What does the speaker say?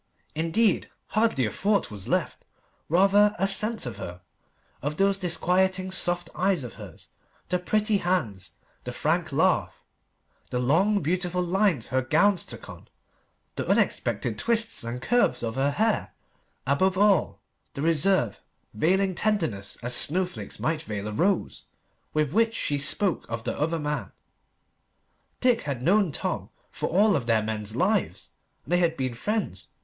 Indeed, hardly a thought was left, rather a sense of her of those disquieting soft eyes of hers the pretty hands, the frank laugh the long, beautiful lines her gowns took on the unexpected twists and curves of her hair above all, the reserve, veiling tenderness as snowflakes might veil a rose, with which she spoke of the other man. Dick had known Tom for all of their men's lives, and they had been friends.